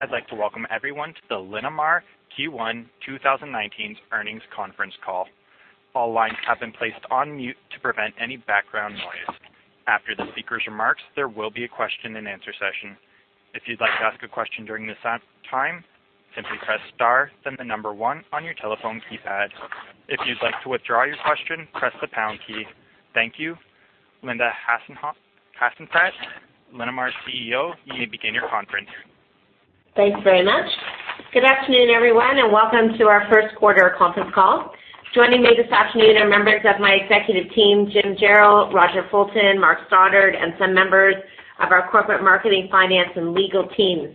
I'd like to welcome everyone to the Linamar Q1 2019 Earnings Conference Call. All lines have been placed on mute to prevent any background noise. After the speaker's remarks, there will be a question-and-answer session. If you'd like to ask a question during this time, simply press star, then the number one on your telephone keypad. If you'd like to withdraw your question, press the pound key. Thank you. Linda Hasenfratz, Linamar's CEO, you may begin your conference. Thanks very much. Good afternoon, everyone, and welcome to our first quarter conference call. Joining me this afternoon are members of my executive team, Jim Jarrell, Roger Fulton, Mark Stoddart, and some members of our corporate marketing, finance, and legal teams.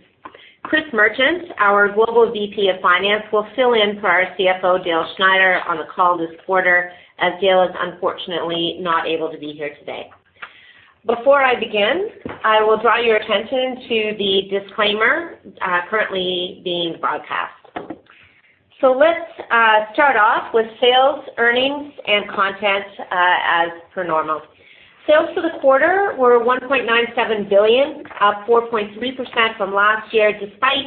Chris Merchant, our Global VP of Finance, will fill in for our CFO, Dale Schneider, on the call this quarter, as Dale is unfortunately not able to be here today. Before I begin, I will draw your attention to the disclaimer currently being broadcast. So let's start off with sales, earnings, and content as per normal. Sales for the quarter were 1.97 billion, up 4.3% from last year, despite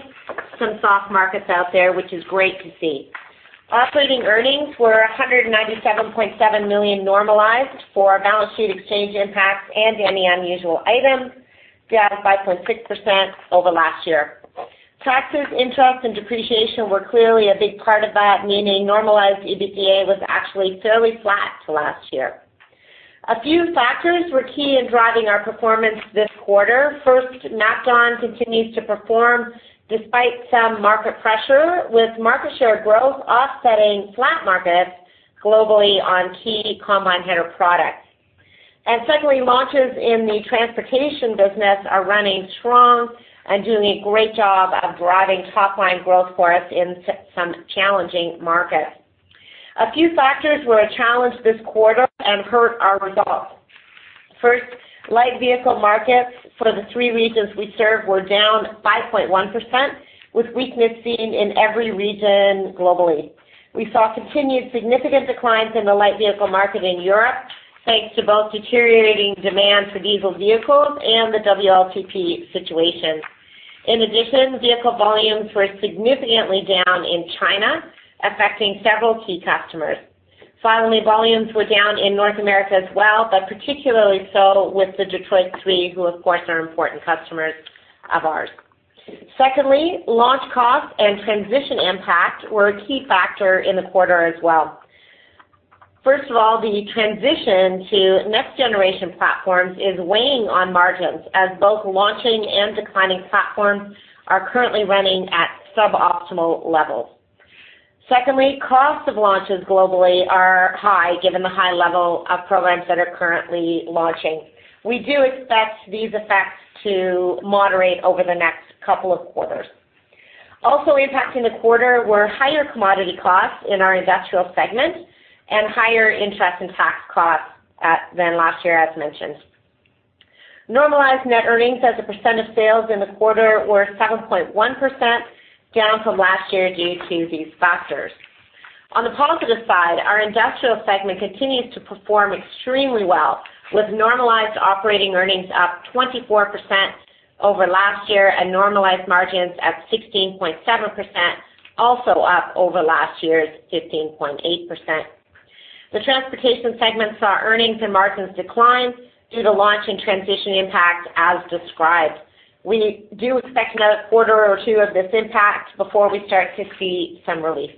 some soft markets out there, which is great to see. Operating earnings were 197.7 million, normalized for our balance sheet exchange impacts and any unusual items, down 5.6% over last year. Taxes, interest, and depreciation were clearly a big part of that, meaning normalized EBITDA was actually fairly flat to last year. A few factors were key in driving our performance this quarter. First, MacDon continues to perform despite some market pressure, with market share growth offsetting flat markets globally on key combine header products. Secondly, launches in the transportation business are running strong and doing a great job of driving top line growth for us in some challenging markets. A few factors were a challenge this quarter and hurt our results. First, light vehicle markets for the three regions we serve were down 5.1%, with weakness seen in every region globally. We saw continued significant declines in the light vehicle market in Europe, thanks to both deteriorating demand for diesel vehicles and the WLTP situation. In addition, vehicle volumes were significantly down in China, affecting several key customers. Finally, volumes were down in North America as well, but particularly so with the Detroit Three, who, of course, are important customers of ours. Secondly, launch costs and transition impact were a key factor in the quarter as well. First of all, the transition to next generation platforms is weighing on margins, as both launching and declining platforms are currently running at suboptimal levels. Secondly, costs of launches globally are high, given the high level of programs that are currently launching. We do expect these effects to moderate over the next couple of quarters. Also impacting the quarter were higher commodity costs in our industrial segment and higher interest and tax costs than last year, as mentioned. Normalized net earnings as a percent of sales in the quarter were 7.1%, down from last year due to these factors. On the positive side, our industrial segment continues to perform extremely well, with normalized operating earnings up 24% over last year and normalized margins at 16.7%, also up over last year's 15.8%. The transportation segment saw earnings and margins decline due to launch and transition impact, as described. We do expect another quarter or two of this impact before we start to see some relief.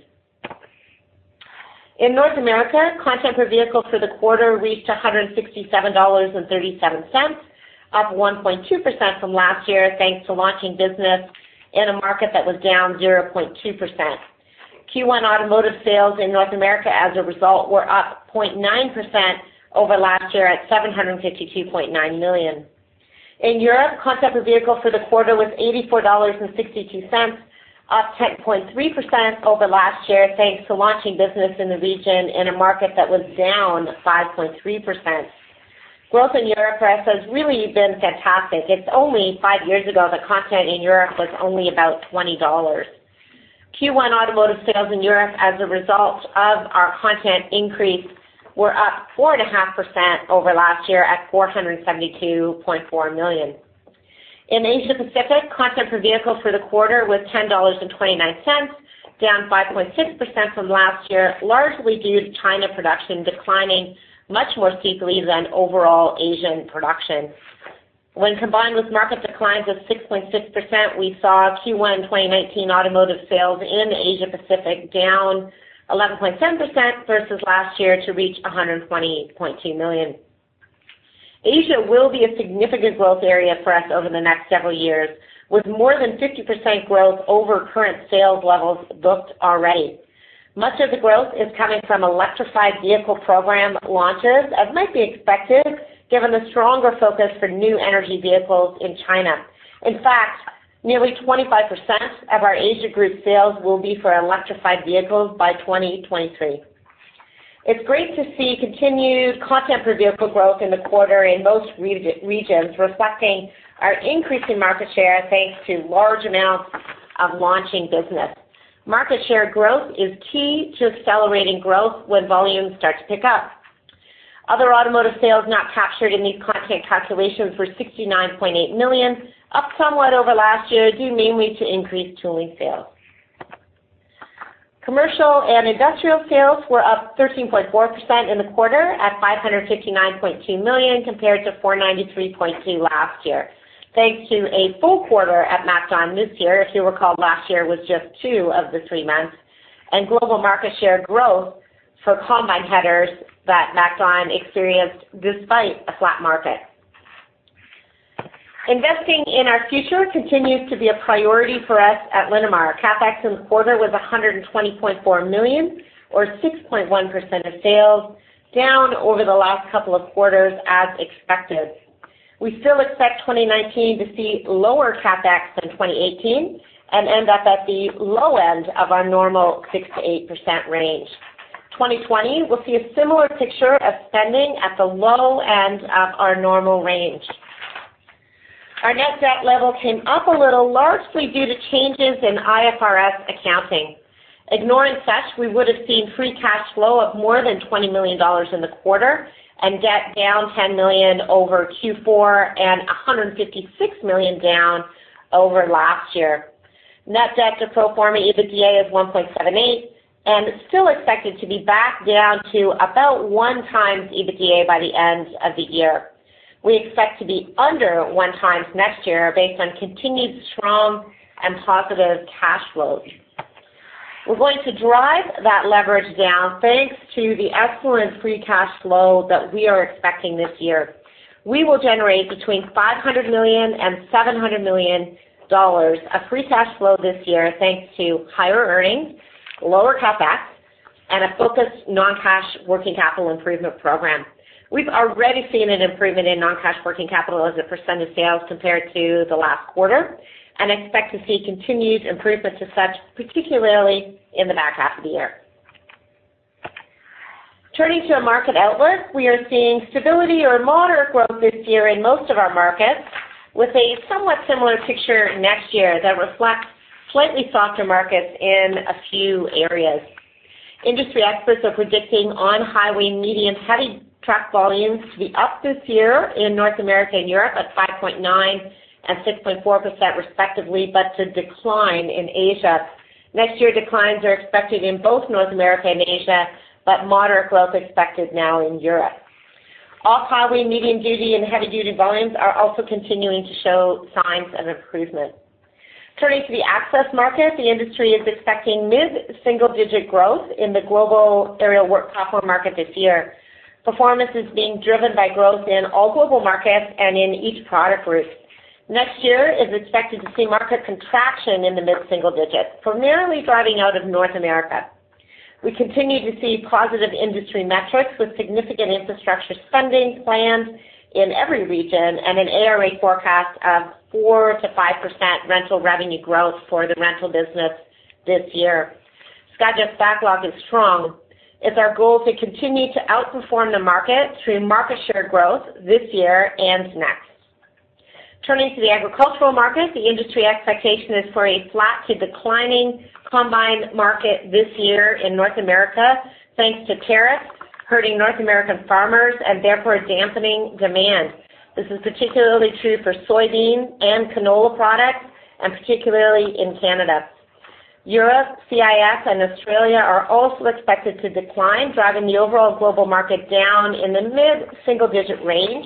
In North America, content per vehicle for the quarter reached $167.37, up 1.2% from last year, thanks to launching business in a market that was down 0.2%. Q1 automotive sales in North America, as a result, were up 0.9% over last year at 752.9 million. In Europe, content per vehicle for the quarter was $84.62, up 10.3% over last year, thanks to launching business in the region in a market that was down 5.3%. Growth in Europe for us has really been fantastic. It's only five years ago that content in Europe was only about $20. Q1 automotive sales in Europe, as a result of our content increase, were up 4.5% over last year at 472.4 million. In Asia Pacific, content per vehicle for the quarter was 10.29 dollars, down 5.6% from last year, largely due to China production declining much more steeply than overall Asian production. When combined with market declines of 6.6%, we saw Q1 in 2019 automotive sales in Asia Pacific down 11.10% versus last year to reach 120.2 million. Asia will be a significant growth area for us over the next several years, with more than 50% growth over current sales levels booked already. Much of the growth is coming from electrified vehicle program launches, as might be expected, given the stronger focus for new energy vehicles in China. In fact, nearly 25% of our Asia group sales will be for electrified vehicles by 2023. It's great to see continued content per vehicle growth in the quarter in most regions, reflecting our increasing market share, thanks to large amounts of launching business. Market share growth is key to accelerating growth when volumes start to pick up. Other automotive sales not captured in these content calculations were 69.8 million, up somewhat over last year, due mainly to increased tooling sales. Commercial and industrial sales were up 13.4% in the quarter at 559.2 million, compared to 493.2 million last year, thanks to a full quarter at MacDon this year. If you recall, last year was just two of the three months, and global market share growth for combine headers that MacDon experienced despite a flat market. Investing in our future continues to be a priority for us at Linamar. CapEx in the quarter was 120.4 million, or 6.1% of sales, down over the last couple of quarters as expected. We still expect 2019 to see lower CapEx than 2018 and end up at the low end of our normal 6%-8% range. 2020 will see a similar picture of spending at the low end of our normal range. Our net debt level came up a little, largely due to changes in IFRS accounting. Ignoring such, we would have seen free cash flow up more than 20 million dollars in the quarter and debt down 10 million over Q4 and 156 million down over last year. Net debt to pro forma EBITDA is 1.78 and still expected to be back down to about 1x EBITDA by the end of the year. We expect to be under 1x next year based on continued strong and positive cash flows. We're going to drive that leverage down, thanks to the excellent free cash flow that we are expecting this year. We will generate between 500 million and 700 million dollars of free cash flow this year, thanks to higher earnings, lower CapEx, and a focused non-cash working capital improvement program. We've already seen an improvement in non-cash working capital as a percent of sales compared to the last quarter and expect to see continued improvements as such, particularly in the back half of the year. Turning to our market outlook, we are seeing stability or moderate growth this year in most of our markets, with a somewhat similar picture next year that reflects slightly softer markets in a few areas. Industry experts are predicting on-highway, medium, heavy truck volumes to be up this year in North America and Europe at 5.9% and 6.4% respectively, but to decline in Asia. Next year, declines are expected in both North America and Asia, but moderate growth expected now in Europe. Off-highway, medium duty, and heavy duty volumes are also continuing to show signs of improvement. Turning to the access market, the industry is expecting mid-single-digit growth in the global aerial work platform market this year. Performance is being driven by growth in all global markets and in each product group. Next year is expected to see market contraction in the mid-single digits, primarily driving out of North America. We continue to see positive industry metrics, with significant infrastructure spending plans in every region and an ARA forecast of 4%-5% rental revenue growth for the rental business this year. Skyjack's backlog is strong. It's our goal to continue to outperform the market through market share growth this year and next. Turning to the agricultural market, the industry expectation is for a flat to declining combine market this year in North America, thanks to tariffs hurting North American farmers and therefore dampening demand. This is particularly true for soybean and canola products, and particularly in Canada. Europe, CIS, and Australia are also expected to decline, driving the overall global market down in the mid-single digit range,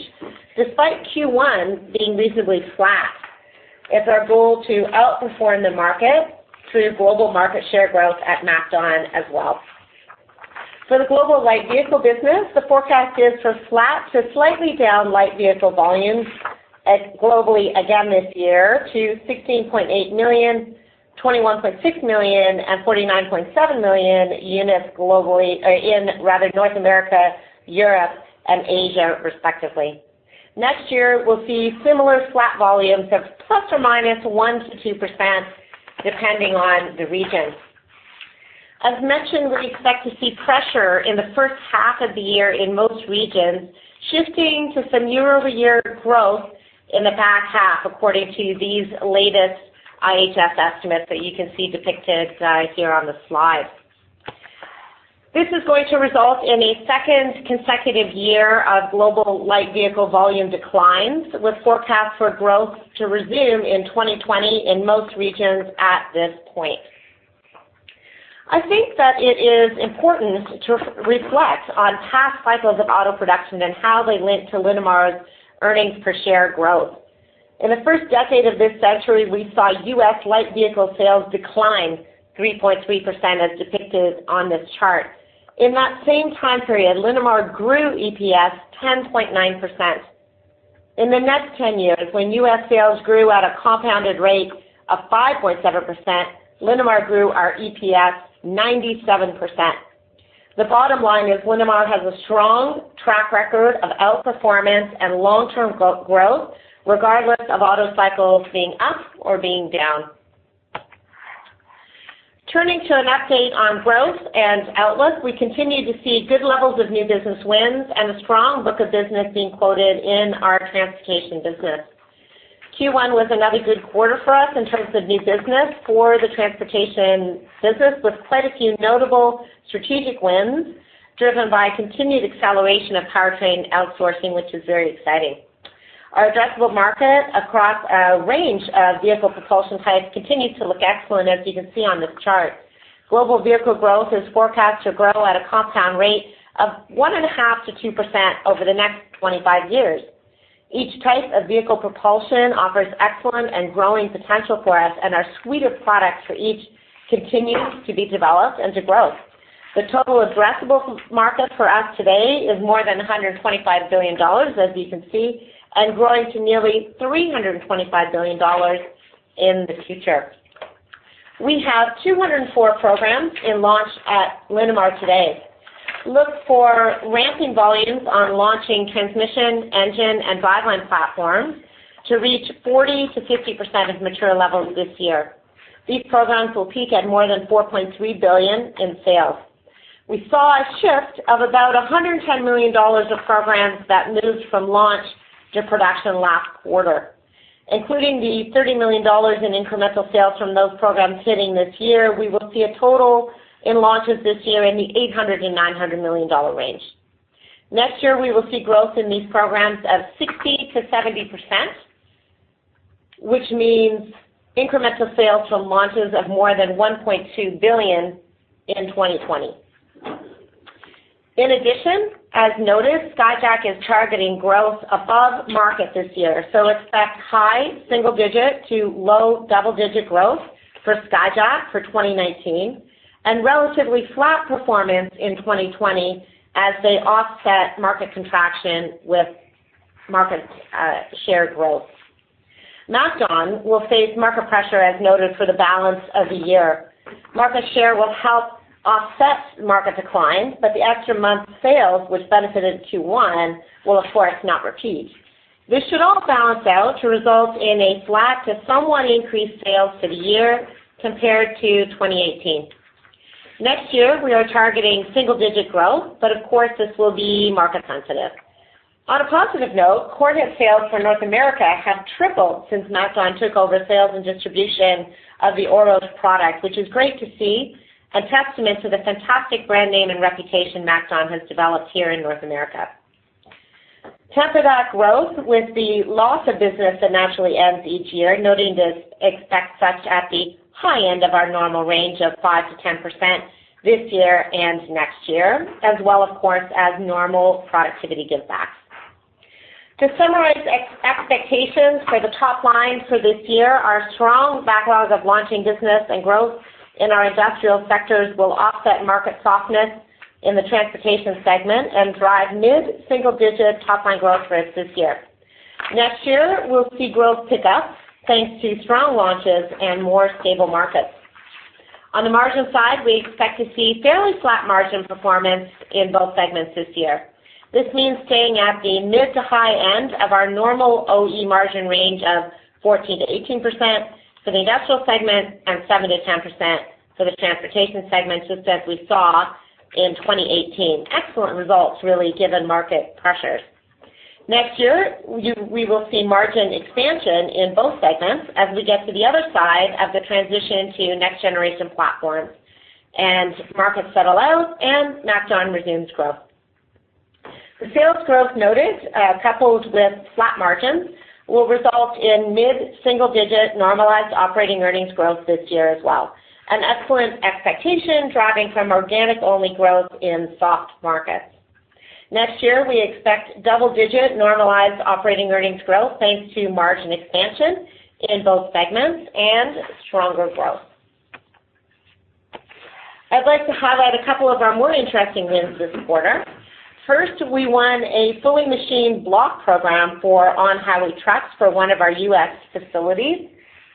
despite Q1 being reasonably flat. It's our goal to outperform the market through global market share growth at MacDon as well. For the global light vehicle business, the forecast is for flat to slightly down light vehicle volumes at globally again this year to 16.8 million, 21.6 million, and 49.7 million units globally, or rather, North America, Europe, and Asia, respectively. Next year, we'll see similar flat volumes of ±1%-2%, depending on the region. As mentioned, we expect to see pressure in the first half of the year in most regions, shifting to some year-over-year growth in the back half, according to these latest IHS estimates that you can see depicted here on the slide. This is going to result in a second consecutive year of global light vehicle volume declines, with forecasts for growth to resume in 2020 in most regions at this point. I think that it is important to reflect on past cycles of auto production and how they link to Linamar's earnings per share growth. In the first decade of this century, we saw U.S. light vehicle sales decline 3.3%, as depicted on this chart. In that same time period, Linamar grew EPS 10.9%. In the next 10 years, when US sales grew at a compounded rate of 5.7%, Linamar grew our EPS 97%. The bottom line is Linamar has a strong track record of outperformance and long-term growth, regardless of auto cycles being up or being down. Turning to an update on growth and outlook, we continue to see good levels of new business wins and a strong book of business being quoted in our transportation business. Q1 was another good quarter for us in terms of new business for the transportation business, with quite a few notable strategic wins, driven by continued acceleration of powertrain outsourcing, which is very exciting. Our addressable market across a range of vehicle propulsion types continues to look excellent, as you can see on this chart. Global vehicle growth is forecast to grow at a compound rate of 1.5%-2% over the next 25 years. Each type of vehicle propulsion offers excellent and growing potential for us, and our suite of products for each continues to be developed and to grow. The total addressable market for us today is more than $125 billion, as you can see, and growing to nearly $325 billion in the future. We have 204 programs in launch at Linamar today. Look for ramping volumes on launching transmission, engine, and driveline platforms to reach 40%-50% of mature levels this year. These programs will peak at more than $4.3 billion in sales. We saw a shift of about $110 million of programs that moved from launch to production last quarter, including the $30 million in incremental sales from those programs hitting this year. We will see a total in launches this year in the $800-$900 million range. Next year, we will see growth in these programs of 60%-70%, which means incremental sales from launches of more than $1.2 billion in 2020. In addition, as noted, Skyjack is targeting growth above market this year, so expect high single-digit to low double-digit growth for Skyjack for 2019, and relatively flat performance in 2020 as they offset market contraction with market share growth. MacDon will face market pressure, as noted, for the balance of the year. Market share will help offset market decline, but the extra month sales, which benefited Q1, will, of course, not repeat. This should all balance out to result in a flat to somewhat increased sales for the year compared to 2018. Next year, we are targeting single-digit growth, but of course, this will be market sensitive. On a positive note, corn head sales for North America have tripled since MacDon took over sales and distribution of the Oros product, which is great to see, a testament to the fantastic brand name and reputation MacDon has developed here in North America. Temper that growth with the loss of business that naturally ends each year, noting to expect such at the high end of our normal range of 5%-10% this year and next year, as well, of course, as normal productivity give backs. To summarize expectations for the top line for this year, our strong backlog of launching business and growth in our industrial sectors will offset market softness in the transportation segment and drive mid-single-digit top-line growth for us this year. Next year, we'll see growth pick up thanks to strong launches and more stable markets. On the margin side, we expect to see fairly flat margin performance in both segments this year. This means staying at the mid- to high-end of our normal OE margin range of 14%-18% for the industrial segment and 7%-10% for the transportation segment, just as we saw in 2018. Excellent results, really, given market pressures. Next year, we will see margin expansion in both segments as we get to the other side of the transition to next-generation platforms, and markets settle out, and MacDon resumes growth. The sales growth noted, coupled with flat margins, will result in mid-single-digit normalized operating earnings growth this year as well. An excellent expectation, driving from organic-only growth in soft markets. Next year, we expect double-digit normalized operating earnings growth, thanks to margin expansion in both segments and stronger growth. I'd like to highlight a couple of our more interesting wins this quarter. First, we won a fully machined block program for on-highway trucks for one of our U.S. facilities.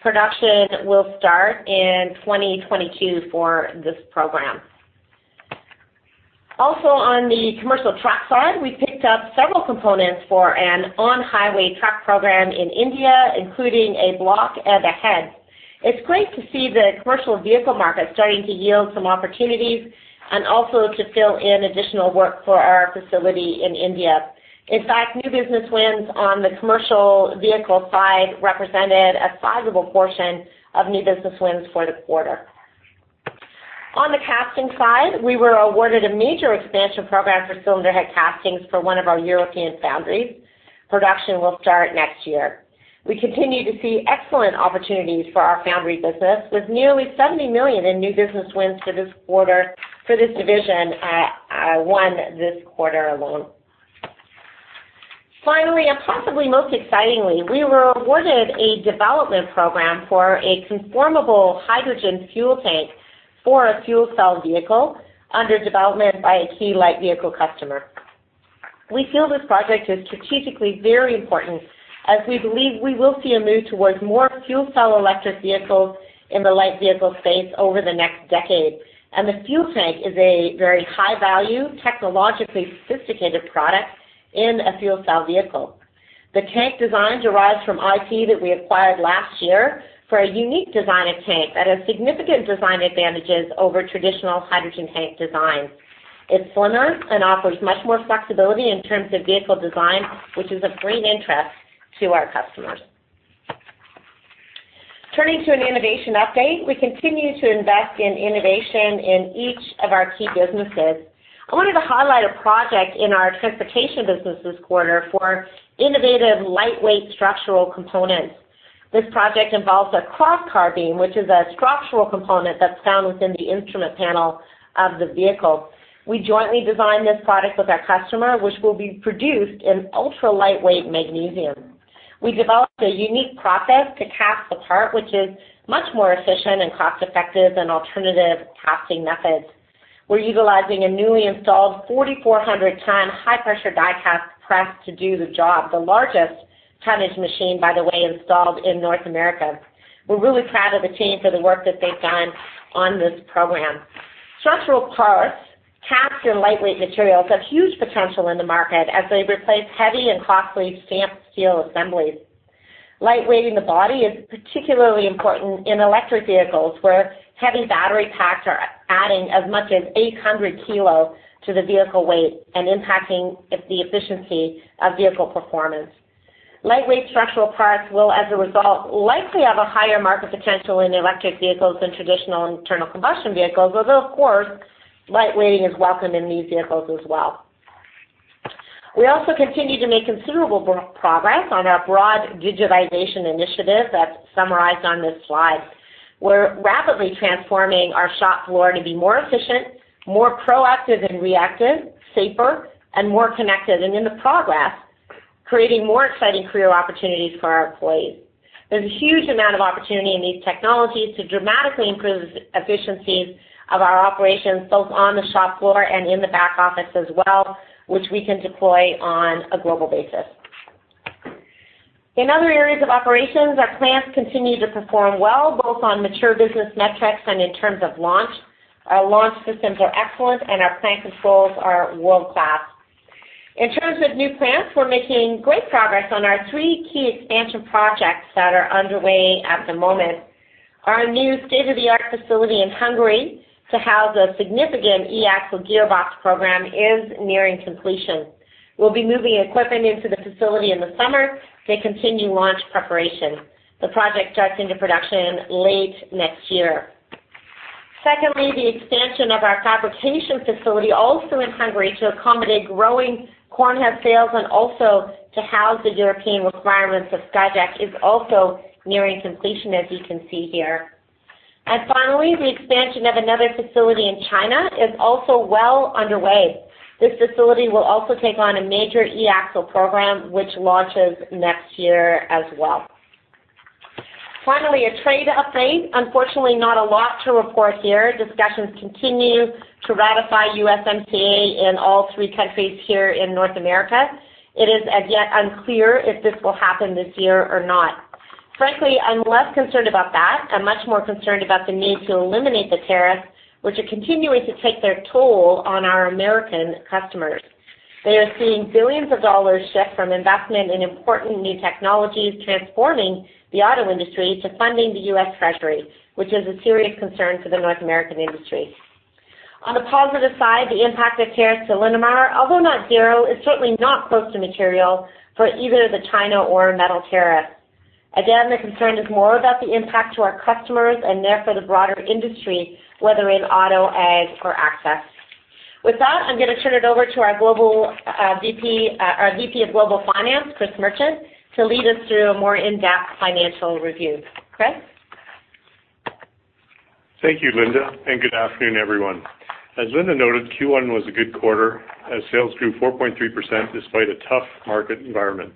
Production will start in 2022 for this program. Also, on the commercial truck side, we picked up several components for an on-highway truck program in India, including a block and a head. It's great to see the commercial vehicle market starting to yield some opportunities and also to fill in additional work for our facility in India. In fact, new business wins on the commercial vehicle side represented a sizable portion of new business wins for the quarter. On the casting side, we were awarded a major expansion program for cylinder head castings for one of our European foundries. Production will start next year. We continue to see excellent opportunities for our foundry business, with nearly 70 million in new business wins for this quarter—for this division that we won this quarter alone. Finally, and possibly most excitingly, we were awarded a development program for a conformable hydrogen fuel tank for a fuel cell vehicle under development by a key light vehicle customer. We feel this project is strategically very important, as we believe we will see a move towards more fuel cell electric vehicles in the Light Vehicle space over the next decade. The fuel tank is a very high-value, technologically sophisticated product in a fuel cell vehicle. The tank design derives from IP that we acquired last year for a unique design of tank that has significant design advantages over traditional hydrogen tank designs.... It's slimmer and offers much more flexibility in terms of vehicle design, which is of great interest to our customers. Turning to an innovation update, we continue to invest in innovation in each of our key businesses. I wanted to highlight a project in our transportation business this quarter for innovative lightweight structural components. This project involves a Cross-Car Beam, which is a structural component that's found within the instrument panel of the vehicle. We jointly designed this product with our customer, which will be produced in ultra-lightweight magnesium. We developed a unique process to cast the part, which is much more efficient and cost-effective than alternative casting methods. We're utilizing a newly installed 4,400-ton high-pressure die cast press to do the job, the largest tonnage machine, by the way, installed in North America. We're really proud of the team for the work that they've done on this program. Structural parts cast in lightweight materials have huge potential in the market as they replace heavy and costly stamped steel assemblies. Lightweighting the body is particularly important in electric vehicles, where heavy battery packs are adding as much as 800 kilos to the vehicle weight and impacting the efficiency of vehicle performance. Lightweight structural parts will, as a result, likely have a higher market potential in electric vehicles than traditional internal combustion vehicles, although, of course, lightweighting is welcome in these vehicles as well. We also continue to make considerable progress on our broad digitization initiative that's summarized on this slide. We're rapidly transforming our shop floor to be more efficient, more proactive and reactive, safer, and more connected, and in the progress, creating more exciting career opportunities for our employees. There's a huge amount of opportunity in these technologies to dramatically improve the efficiencies of our operations, both on the shop floor and in the back office as well, which we can deploy on a global basis. In other areas of operations, our plants continue to perform well, both on mature business metrics and in terms of launch. Our launch systems are excellent, and our plant controls are world-class. In terms of new plants, we're making great progress on our three key expansion projects that are underway at the moment. Our new state-of-the-art facility in Hungary to house a significant e-axle gearbox program is nearing completion. We'll be moving equipment into the facility in the summer to continue launch preparation. The project starts into production late next year. Secondly, the expansion of our fabrication facility, also in Hungary, to accommodate growing corn head sales and also to house the European requirements of Skyjack, is also nearing completion, as you can see here. And finally, the expansion of another facility in China is also well underway. This facility will also take on a major e-axle program, which launches next year as well. Finally, a trade update. Unfortunately, not a lot to report here. Discussions continue to ratify USMCA in all three countries here in North America. It is as yet unclear if this will happen this year or not. Frankly, I'm less concerned about that. I'm much more concerned about the need to eliminate the tariffs, which are continuing to take their toll on our American customers. They are seeing billions of dollars shift from investment in important new technologies, transforming the auto industry to funding the US Treasury, which is a serious concern for the North American industry. On the positive side, the impact of tariffs to Linamar, although not zero, is certainly not close to material for either the China or metal tariff. Again, the concern is more about the impact to our customers and therefore the broader industry, whether in auto, ag, or access. With that, I'm going to turn it over to our VP of Global Finance, Chris Merchant, to lead us through a more in-depth financial review. Chris? Thank you, Linda, and good afternoon, everyone. As Linda noted, Q1 was a good quarter as sales grew 4.3% despite a tough market environment.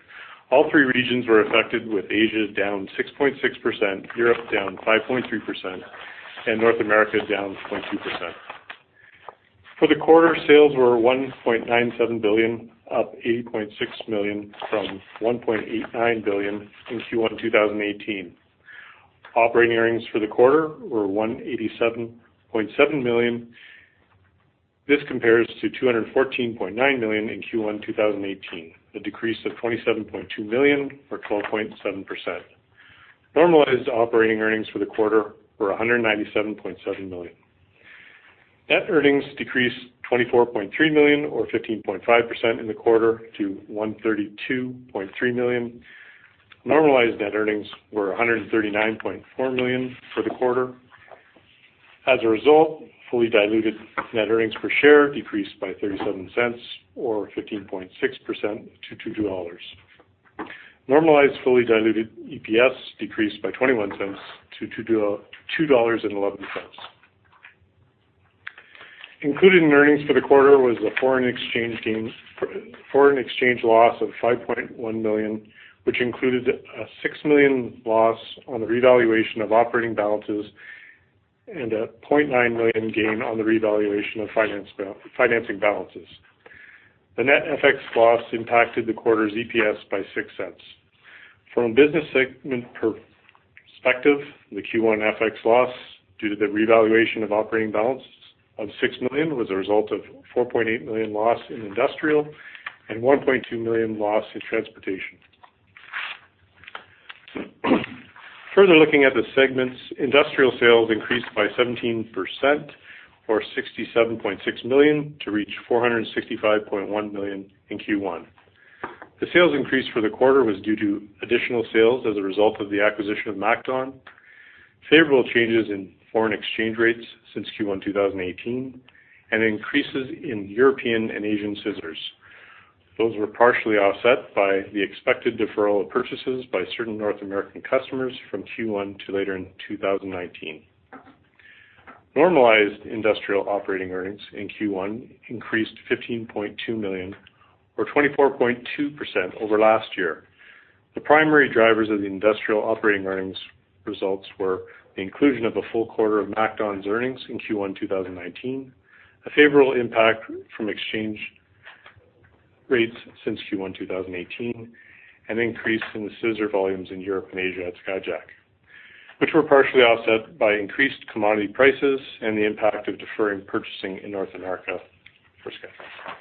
All three regions were affected, with Asia down 6.6%, Europe down 5.3%, and North America down 0.2%. For the quarter, sales were 1.97 billion, up 80.6 million from 1.89 billion in Q1 2018. Operating earnings for the quarter were 187.7 million. This compares to 214.9 million in Q1 2018, a decrease of 27.2 million, or 12.7%. Normalized operating earnings for the quarter were 197.7 million. Net earnings decreased 24.3 million, or 15.5% in the quarter, to 132.3 million. Normalized net earnings were 139.4 million for the quarter. As a result, fully diluted net earnings per share decreased by 0.37 or 15.6% to 2.00 dollars. Normalized fully diluted EPS decreased by 0.21 to 2.11 dollars. Included in earnings for the quarter was a foreign exchange loss of 5.1 million, which included a 6 million loss on the revaluation of operating balances and a 0.9 million gain on the revaluation of financing balances. The net FX loss impacted the quarter's EPS by 0.06. From a business segment perspective, the Q1 FX loss, due to the revaluation of operating balance of 6 million, was a result of 4.8 million loss in industrial and 1.2 million loss in transportation. Further looking at the segments, industrial sales increased by 17% or 67.6 million to reach 465.1 million in Q1. The sales increase for the quarter was due to additional sales as a result of the acquisition of MacDon, favorable changes in foreign exchange rates since Q1 2018, and increases in European and Asian scissors. Those were partially offset by the expected deferral of purchases by certain North American customers from Q1 to later in 2019. Normalized industrial operating earnings in Q1 increased 15.2 million or 24.2% over last year. The primary drivers of the industrial operating earnings results were the inclusion of a full quarter of MacDon's earnings in Q1, 2019, a favorable impact from exchange rates since Q1, 2018, and increase in the scissor volumes in Europe and Asia at Skyjack, which were partially offset by increased commodity prices and the impact of deferring purchasing in North America for Skyjack.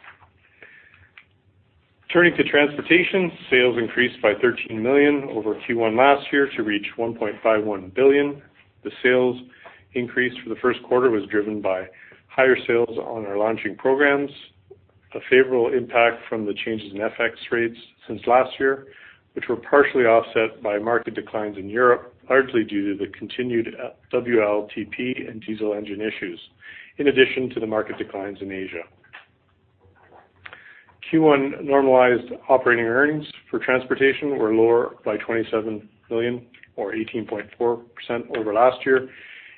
Turning to transportation, sales increased by 13 million over Q1 last year to reach 1.51 billion. The sales increase for the first quarter was driven by higher sales on our launching programs, a favorable impact from the changes in FX rates since last year, which were partially offset by market declines in Europe, largely due to the continued WLTP and diesel engine issues, in addition to the market declines in Asia. Q1 normalized operating earnings for transportation were lower by 27 million or 18.4% over last year.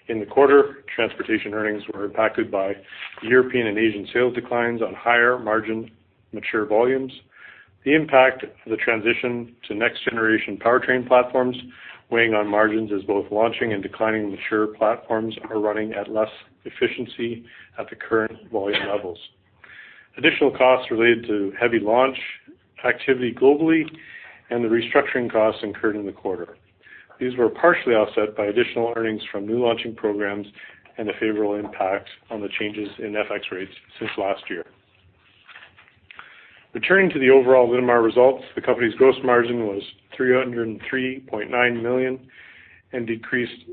In the quarter, transportation earnings were impacted by the European and Asian sales declines on higher margin mature volumes, the impact of the transition to next generation powertrain platforms, weighing on margins as both launching and declining mature platforms are running at less efficiency at the current volume levels. Additional costs related to heavy launch activity globally and the restructuring costs incurred in the quarter. These were partially offset by additional earnings from new launching programs and a favorable impact on the changes in FX rates since last year. Returning to the overall Linamar results, the company's gross margin was 303.9 million and decreased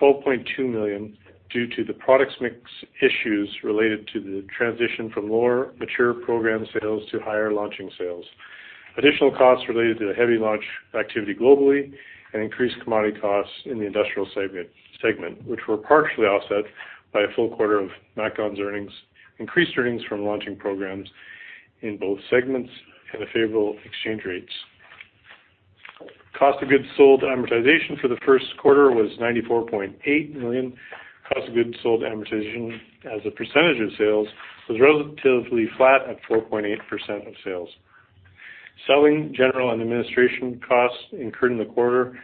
12.2 million due to the products mix issues related to the transition from lower mature program sales to higher launching sales. Additional costs related to the heavy launch activity globally and increased commodity costs in the industrial segment, which were partially offset by a full quarter of MacDon's earnings, increased earnings from launching programs in both segments, and the favorable exchange rates. Cost of goods sold amortization for the first quarter was 94.8 million. Cost of goods sold amortization as a percentage of sales was relatively flat at 4.8% of sales. Selling general and administration costs incurred in the quarter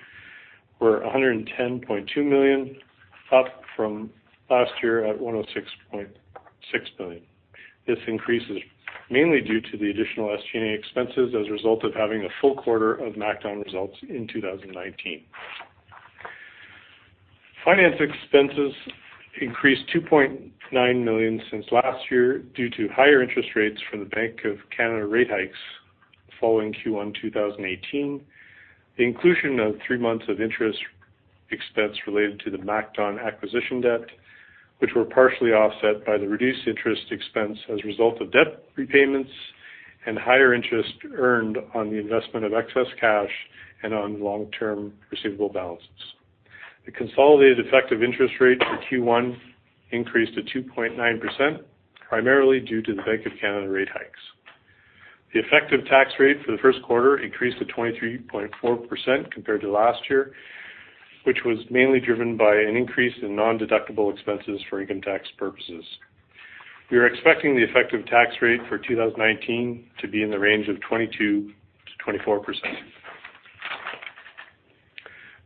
were 110.2 million, up from last year at 106.6 million. This increase is mainly due to the additional SG&A expenses as a result of having a full quarter of MacDon results in 2019. Finance expenses increased 2.9 million since last year due to higher interest rates from the Bank of Canada rate hikes following Q1, 2018. The inclusion of three months of interest expense related to the MacDon acquisition debt, which were partially offset by the reduced interest expense as a result of debt repayments and higher interest earned on the investment of excess cash and on long-term receivable balances. The consolidated effective interest rate for Q1 increased to 2.9%, primarily due to the Bank of Canada rate hikes. The effective tax rate for the first quarter increased to 23.4% compared to last year, which was mainly driven by an increase in nondeductible expenses for income tax purposes. We are expecting the effective tax rate for 2019 to be in the range of 22%-24%.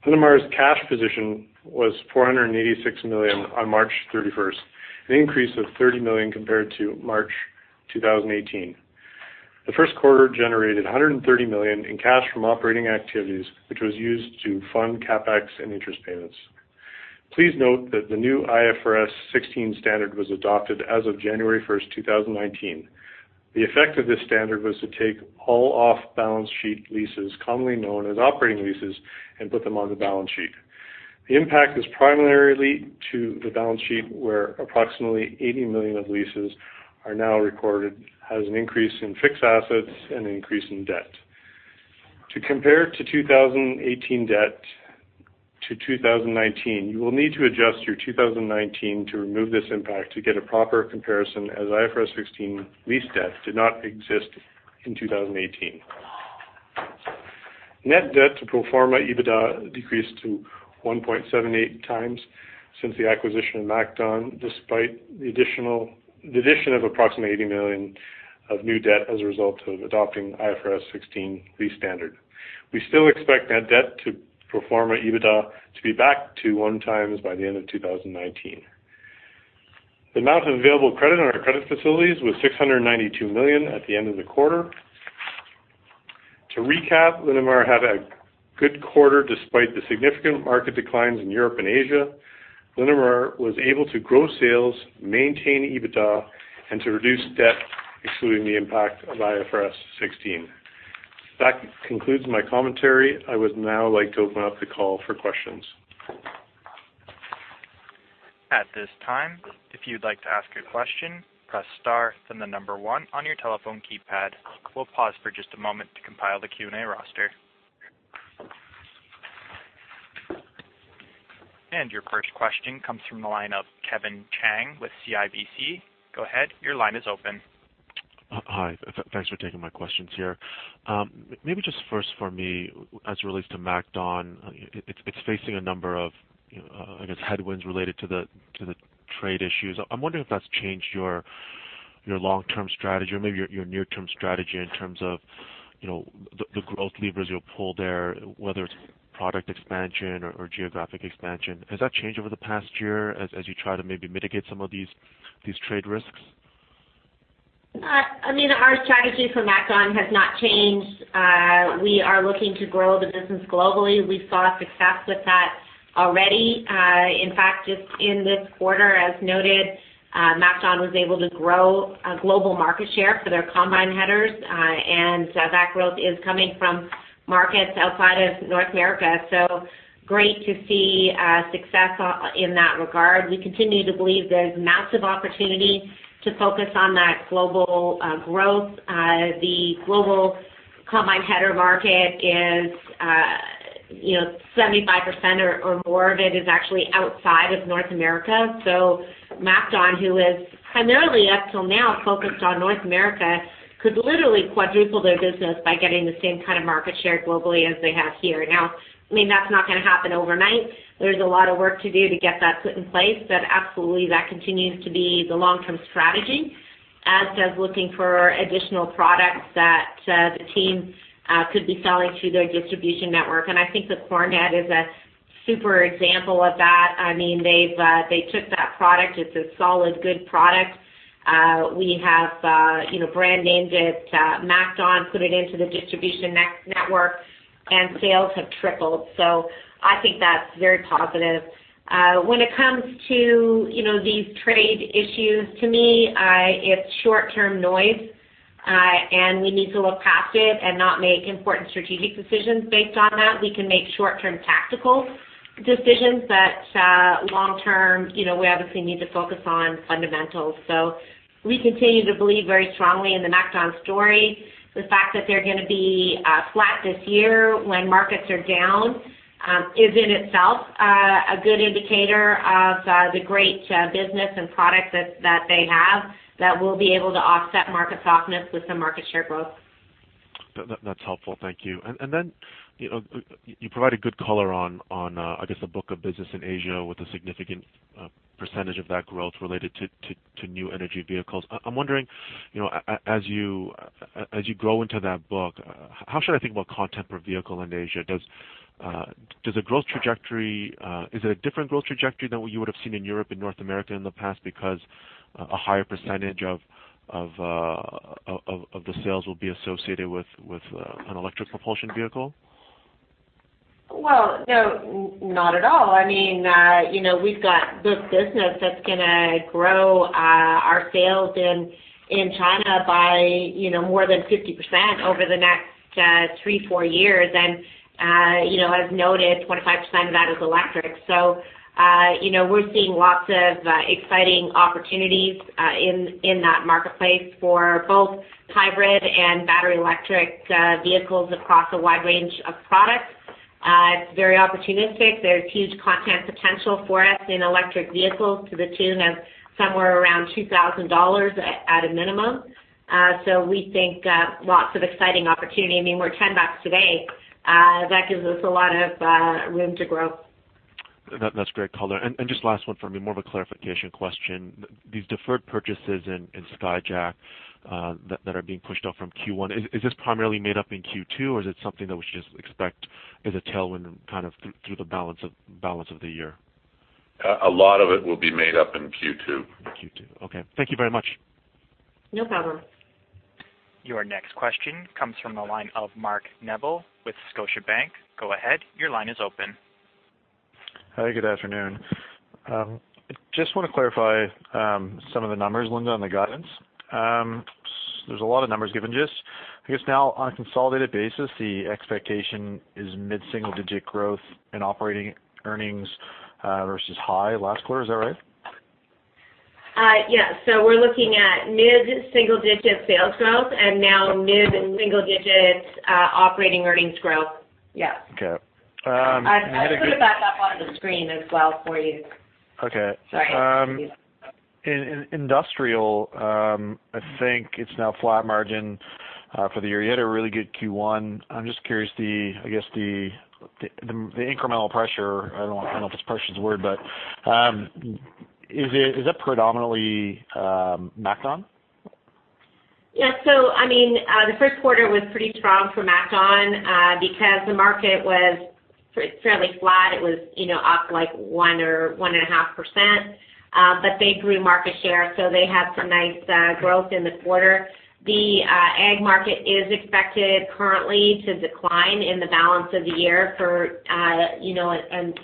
Linamar's cash position was 486 million on March 31st, an increase of 30 million compared to March 2018. The first quarter generated 130 million in cash from operating activities, which was used to fund CapEx and interest payments. Please note that the new IFRS 16 standard was adopted as of January 1, 2019. The effect of this standard was to take all off-balance sheet leases, commonly known as operating leases, and put them on the balance sheet. The impact is primarily to the balance sheet, where approximately 80 million of leases are now recorded as an increase in fixed assets and an increase in debt. To compare to 2018 debt to 2019, you will need to adjust your 2019 to remove this impact to get a proper comparison, as IFRS 16 lease debt did not exist in 2018. Net debt to pro forma EBITDA decreased to 1.78x since the acquisition of MacDon, despite the addition of approximately 80 million of new debt as a result of adopting IFRS 16 lease standard. We still expect net debt to pro forma EBITDA to be back to 1x by the end of 2019. The amount of available credit on our credit facilities was 692 million at the end of the quarter. To recap, Linamar had a good quarter despite the significant market declines in Europe and Asia. Linamar was able to grow sales, maintain EBITDA, and to reduce debt, excluding the impact of IFRS 16. That concludes my commentary. I would now like to open up the call for questions. At this time, if you'd like to ask a question, press star, then the number one on your telephone keypad. We'll pause for just a moment to compile the Q&A roster. Your first question comes from the line of Kevin Chiang with CIBC. Go ahead, your line is open. Hi, thanks for taking my questions here. Maybe just first for me, as it relates to MacDon, it's facing a number of, you know, I guess, headwinds related to the trade issues. I'm wondering if that's changed your long-term strategy or maybe your near-term strategy in terms of, you know, the growth levers you'll pull there, whether it's product expansion or geographic expansion. Has that changed over the past year as you try to maybe mitigate some of these trade risks? I mean, our strategy for MacDon has not changed. We are looking to grow the business globally. We've saw success with that already. In fact, just in this quarter, as noted, MacDon was able to grow global market share for their combine headers, and that growth is coming from markets outside of North America. So great to see success in that regard. We continue to believe there's massive opportunity to focus on that global growth. The global combine header market is, you know, 75% or more of it is actually outside of North America. So MacDon, who is primarily, up till now, focused on North America, could literally quadruple their business by getting the same kind of market share globally as they have here. Now, I mean, that's not gonna happen overnight. There's a lot of work to do to get that put in place, but absolutely, that continues to be the long-term strategy, as does looking for additional products that, the team, could be selling to their distribution network. And I think the corn head is a super example of that. I mean, they've, they took that product, it's a solid, good product. We have, you know, brand named it, MacDon, put it into the distribution network, and sales have tripled. So I think that's very positive. When it comes to, you know, these trade issues, to me, it's short-term noise, and we need to look past it and not make important strategic decisions based on that. We can make short-term tactical decisions, but, long term, you know, we obviously need to focus on fundamentals. So we continue to believe very strongly in the MacDon story. The fact that they're gonna be flat this year when markets are down is in itself a good indicator of the great business and product that they have that we'll be able to offset market softness with some market share growth. That's helpful. Thank you. Then, you know, you provided good color on, I guess, the book of business in Asia, with a significant percentage of that growth related to new energy vehicles. I'm wondering, you know, as you grow into that book, how should I think about the content per vehicle in Asia? Does the growth trajectory... is it a different growth trajectory than what you would have seen in Europe and North America in the past because a higher percentage of the sales will be associated with an electric propulsion vehicle? Well, no, not at all. I mean, you know, we've got this business that's gonna grow our sales in China by, you know, more than 50% over the next three-four years. And, you know, as noted, 25% of that is electric. So, you know, we're seeing lots of exciting opportunities in that marketplace for both hybrid and battery electric vehicles across a wide range of products. It's very opportunistic. There's huge content potential for us in electric vehicles to the tune of somewhere around $2,000 at a minimum. So we think lots of exciting opportunity. I mean, we're $10 today. That gives us a lot of room to grow. That's great color. And just last one for me, more of a clarification question. These deferred purchases in Skyjack that are being pushed off from Q1, is this primarily made up in Q2, or is it something that we should just expect as a tailwind kind of through the balance of the year? A lot of it will be made up in Q2. Q2. Okay. Thank you very much. No problem. Your next question comes from the line of Mark Neville with Scotiabank. Go ahead, your line is open. Hi, good afternoon. Just want to clarify, some of the numbers, Linda, on the guidance. There's a lot of numbers given to us. I guess now, on a consolidated basis, the expectation is mid-single digit growth in operating earnings, versus high last quarter. Is that right? Yes. So we're looking at mid-single digit sales growth, and now mid-single digit operating earnings growth. Yeah. Okay. And I had a quick- I put it back up on the screen as well for you. Okay. Sorry. In industrial, I think it's now flat margin for the year. You had a really good Q1. I'm just curious. I guess the incremental pressure, I don't know if this pressure is the word, but is it predominantly MacDon? Yeah. So I mean, the first quarter was pretty strong for MacDon, because the market was fairly flat. It was, you know, up like 1 or 1.5%, but they grew market share, so they had some nice growth in the quarter. The ag market is expected currently to decline in the balance of the year for, you know, and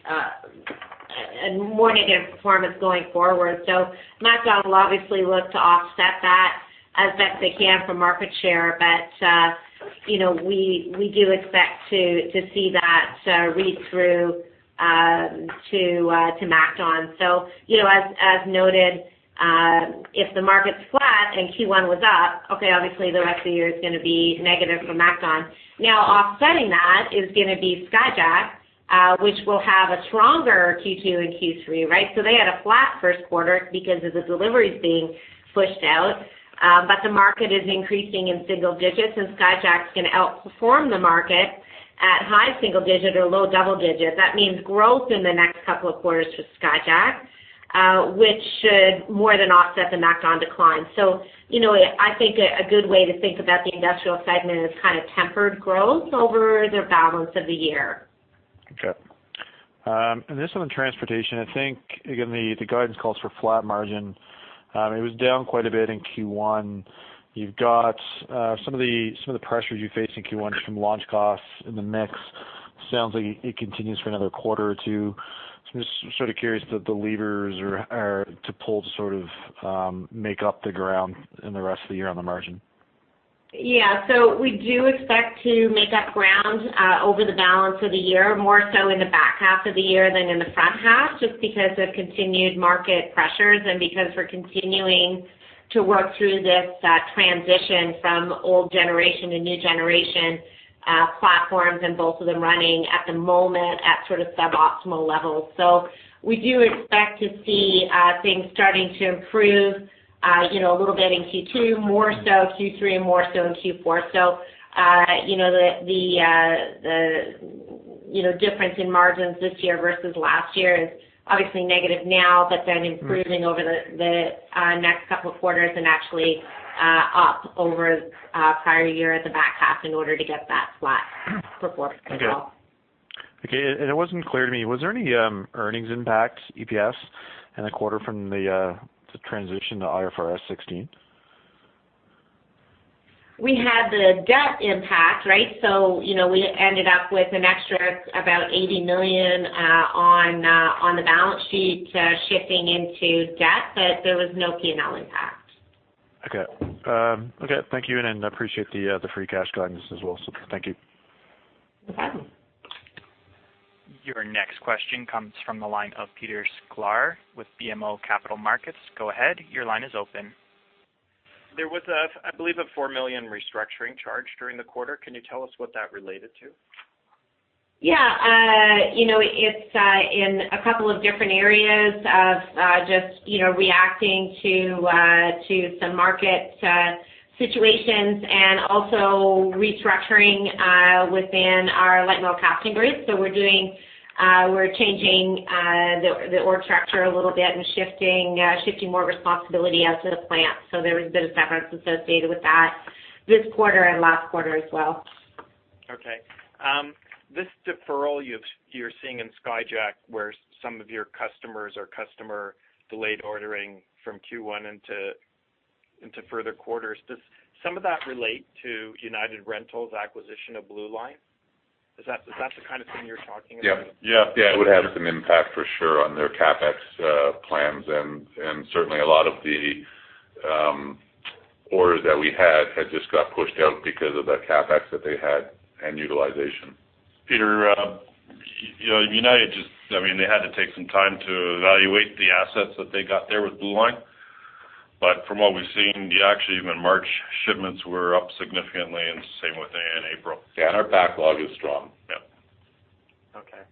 more negative performance going forward. So MacDon will obviously look to offset that as best they can for market share, but, you know, we do expect to see that read through to to MacDon. So, you know, as noted, if the market's flat and Q1 was up, okay, obviously, the rest of the year is gonna be negative for MacDon. Now, offsetting that is gonna be Skyjack, which will have a stronger Q2 and Q3, right? So they had a flat first quarter because of the deliveries being pushed out, but the market is increasing in single digits, and Skyjack is gonna outperform the market at high single digit or low double digit. That means growth in the next couple of quarters for Skyjack, which should more than offset the MacDon decline. So, you know, I think a good way to think about the industrial segment is kind of tempered growth over the balance of the year. Okay. And this on transportation, I think, again, the guidance calls for flat margin. It was down quite a bit in Q1. You've got some of the pressures you faced in Q1 from launch costs in the mix. Sounds like it continues for another quarter or two. So I'm just sort of curious what the levers are to pull to sort of make up the ground in the rest of the year on the margin. Yeah. So we do expect to make up ground over the balance of the year, more so in the back half of the year than in the front half, just because of continued market pressures and because we're continuing to work through this transition from old generation to new generation platforms, and both of them running at the moment at sort of suboptimal levels. So we do expect to see things starting to improve, you know, a little bit in Q2, more so Q3, and more so in Q4. So, you know, the difference in margins this year versus last year is obviously negative now, but then improving- Mm-hmm. over the next couple of quarters and actually up over prior year at the back half in order to get that flat performance as well. Okay. Okay, and it wasn't clear to me, was there any earnings impact, EPS, in the quarter from the transition to IFRS 16? We had the debt impact, right? So, you know, we ended up with an extra about 80 million on the balance sheet, shifting into debt, but there was no P&L impact. Okay. Okay, thank you, and I appreciate the free cash guidance as well. So thank you. No problem. Your next question comes from the line of Peter Sklar with BMO Capital Markets. Go ahead. Your line is open. There was a, I believe, a four million restructuring charge during the quarter. Can you tell us what that related to? Yeah. You know, it's in a couple of different areas of just, you know, reacting to some market situations and also restructuring within our light metal casting group. So we're changing the org structure a little bit and shifting more responsibility out to the plant. So there was a bit of severance associated with that this quarter and last quarter as well. Okay. This deferral you're seeing in Skyjack, where some of your customers or customer delayed ordering from Q1 into further quarters, does some of that relate to United Rentals acquisition of BlueLine? Is that the kind of thing you're talking about? Yeah. Yeah, yeah, it would have some impact for sure on their CapEx plans. And certainly a lot of the orders that we had just got pushed out because of that CapEx that they had and utilization. Peter, you know, United just... I mean, they had to take some time to evaluate the assets that they got there with BlueLine. But from what we've seen, actually even March shipments were up significantly, and same with in April. Yeah, and our backlog is strong. Yeah. Okay.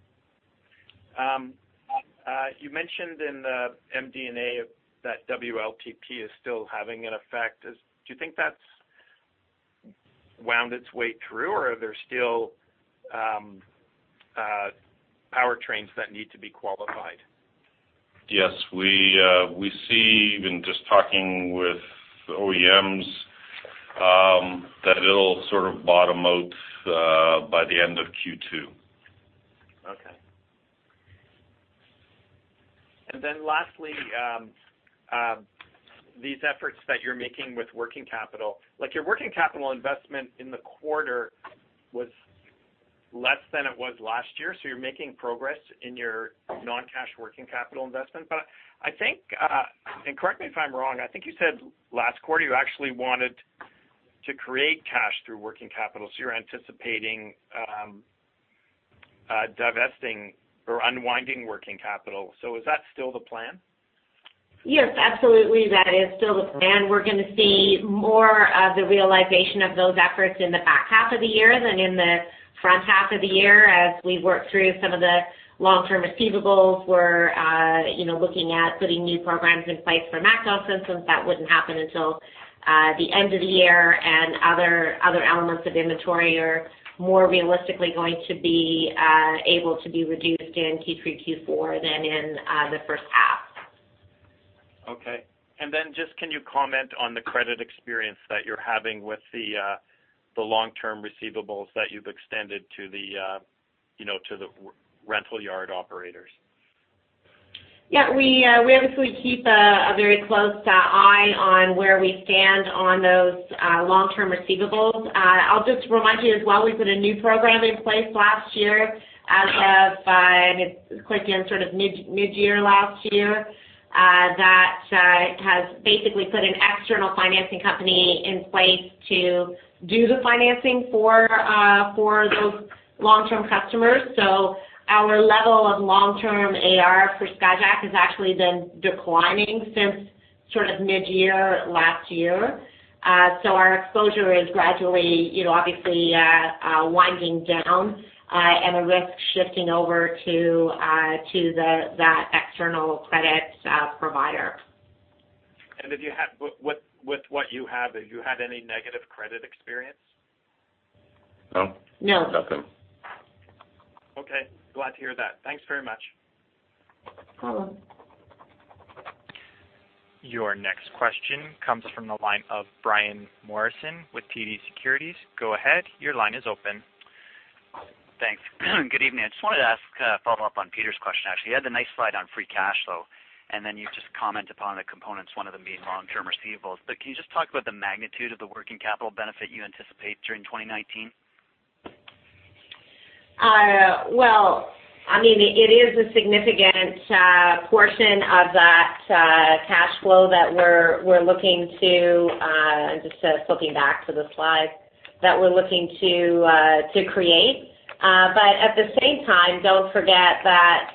You mentioned in the MD&A that WLTP is still having an effect. Do you think that's wound its way through, or are there still powertrains that need to be qualified? Yes. We see, even just talking with OEMs, that it'll sort of bottom out by the end of Q2. Okay. And then lastly, these efforts that you're making with working capital, like your working capital investment in the quarter was less than it was last year, so you're making progress in your non-cash working capital investment. But I think, and correct me if I'm wrong, I think you said last quarter, you actually wanted to create cash through working capital, so you're anticipating, divesting or unwinding working capital. So is that still the plan? Yes, absolutely. That is still the plan. We're gonna see more of the realization of those efforts in the back half of the year than in the front half of the year as we work through some of the long-term receivables. We're, you know, looking at putting new programs in place for MacDon systems. That wouldn't happen until the end of the year, and other elements of inventory are more realistically going to be able to be reduced in Q3, Q4 than in the first half. Okay. And then just, can you comment on the credit experience that you're having with the long-term receivables that you've extended to the, you know, to the rental yard operators?... Yeah, we, we obviously keep a, a very close eye on where we stand on those long-term receivables. I'll just remind you as well, we put a new program in place last year as of, and it's end, sort of mid-midyear last year, that has basically put an external financing company in place to do the financing for, for those long-term customers. So our level of long-term AR for Skyjack has actually been declining since sort of midyear last year. So our exposure is gradually, you know, obviously, winding down, and the risk shifting over to, to the, that external credit provider. If you have with what you have, have you had any negative credit experience? No. No. Nothing. Okay. Glad to hear that. Thanks very much. No problem. Your next question comes from the line of Brian Morrison with TD Securities. Go ahead, your line is open. Thanks. Good evening. I just wanted to ask, follow up on Peter's question, actually. You had the nice slide on free cash flow, and then you just comment upon the components, one of them being long-term receivables. But can you just talk about the magnitude of the working capital benefit you anticipate during 2019? Well, I mean, it is a significant portion of that cash flow that we're, we're looking to just flipping back to the slide, that we're looking to to create. But at the same time, don't forget that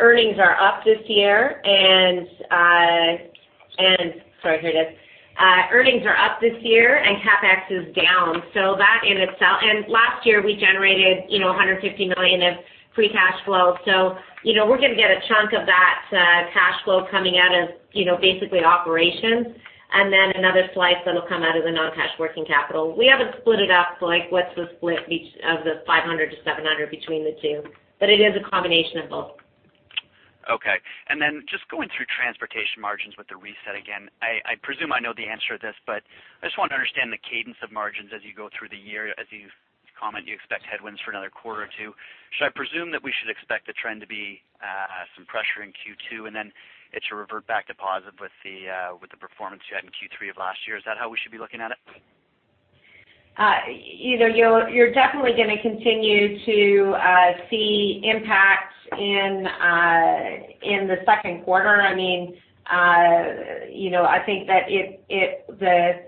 earnings are up this year, and, and sorry, here it is. Earnings are up this year, and CapEx is down, so that in itself. Last year, we generated, you know, 150 million of free cash flow. So, you know, we're gonna get a chunk of that cash flow coming out of, you know, basically operations, and then another slice that'll come out of the non-cash working capital. We haven't split it up, like, what's the split each, of the 500 to 700 between the two, but it is a combination of both. Okay. And then just going through transportation margins with the reset again, I presume I know the answer to this, but I just want to understand the cadence of margins as you go through the year. As you've commented, you expect headwinds for another quarter or two. Should I presume that we should expect the trend to be some pressure in Q2, and then it should revert back to positive with the performance you had in Q3 of last year? Is that how we should be looking at it? You know, you're definitely gonna continue to see impacts in the second quarter. I mean, you know, I think that the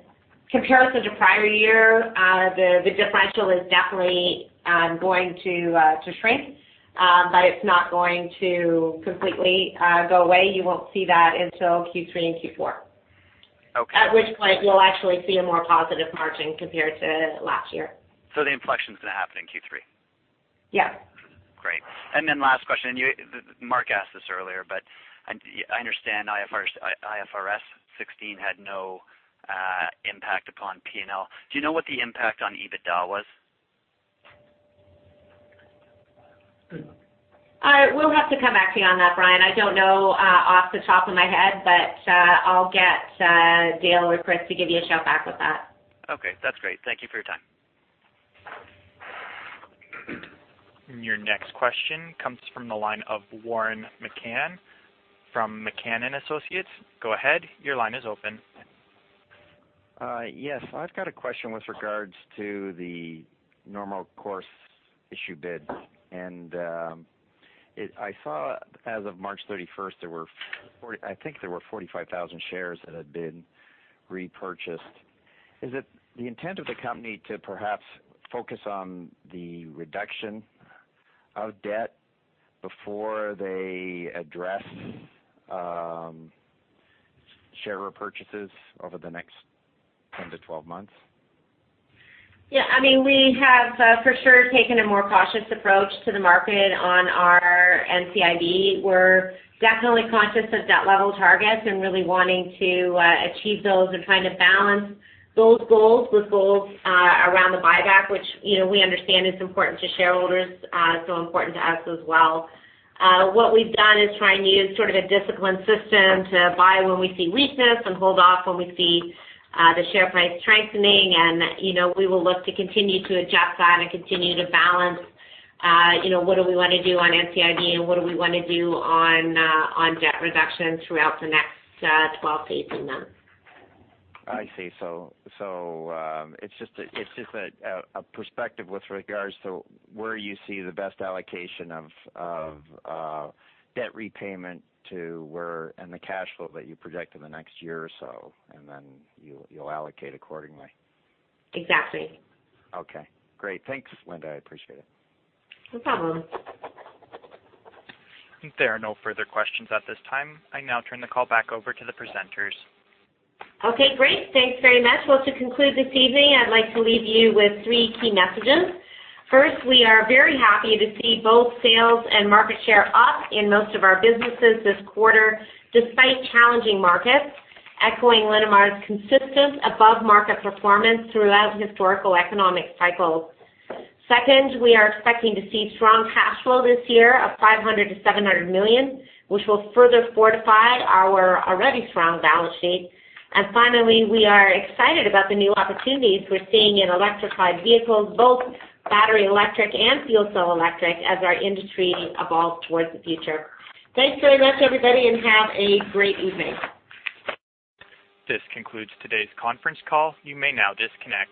comparison to prior year, the differential is definitely going to shrink. But it's not going to completely go away. You won't see that until Q3 and Q4. Okay. At which point, you'll actually see a more positive margin compared to last year. So the inflection is gonna happen in Q3? Yes. Great. Then last question, you, Mark asked this earlier, but I, I understand IFRS 16 had no impact upon P&L. Do you know what the impact on EBITDA was? We'll have to come back to you on that, Brian. I don't know off the top of my head, but I'll get Dale or Chris to give you a shout back with that. Okay, that's great. Thank you for your time. Your next question comes from the line of Warren McCann from McCann & Associates. Go ahead, your line is open. Yes, I've got a question with regards to the normal course issuer bid. And, it—I saw as of March thirty-first, there were forty-five thousand shares that had been repurchased. Is it the intent of the company to perhaps focus on the reduction of debt before they address share repurchases over the next 10-12 months? Yeah, I mean, we have, for sure taken a more cautious approach to the market on our NCIB. We're definitely conscious of debt level targets and really wanting to, achieve those and trying to balance those goals with goals, around the buyback, which, you know, we understand is important to shareholders, so important to us as well. What we've done is try and use sort of a disciplined system to buy when we see weakness and hold off when we see, the share price strengthening. And, you know, we will look to continue to adjust that and continue to balance, you know, what do we want to do on NCIB, and what do we want to do on, on debt reduction throughout the next, 12-18 months. I see. So, it's just a perspective with regards to where you see the best allocation of debt repayment to where and the cash flow that you project in the next year or so, and then you'll allocate accordingly. Exactly. Okay, great. Thanks, Linda. I appreciate it. No problem. There are no further questions at this time. I now turn the call back over to the presenters. Okay, great. Thanks very much. Well, to conclude this evening, I'd like to leave you with three key messages. First, we are very happy to see both sales and market share up in most of our businesses this quarter, despite challenging markets, echoing Linamar's consistent above-market performance throughout historical economic cycles. Second, we are expecting to see strong cash flow this year of 500 million-700 million, which will further fortify our already strong balance sheet. And finally, we are excited about the new opportunities we're seeing in electrified vehicles, both battery electric and fuel cell electric, as our industry evolves towards the future. Thanks very much, everybody, and have a great evening. This concludes today's conference call. You may now disconnect.